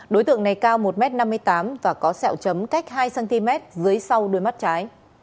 đối tượng này cao một m năm mươi tám và có sẹo chấm cách hai cm dưới sau đuôi mắt trái